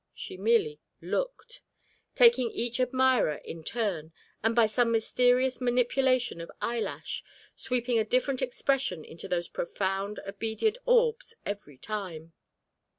She merely looked; taking each eager admirer in turn, and by some mysterious manipulation of eyelash, sweeping a different expression into those profound obedient orbs every time.